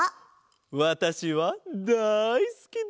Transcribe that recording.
わたしはだいすきだ！